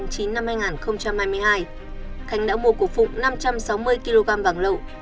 thành đã mua của phụng năm trăm sáu mươi kg vàng lậu